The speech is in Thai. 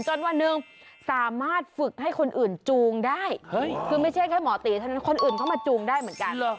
วันหนึ่งสามารถฝึกให้คนอื่นจูงได้คือไม่ใช่แค่หมอตีเท่านั้นคนอื่นเข้ามาจูงได้เหมือนกัน